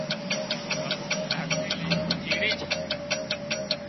ٻاپو لاڪڙي لئينش چيڙي ڇا